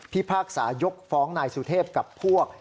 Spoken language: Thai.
พากษายกฟ้องนายสุเทพกับพวก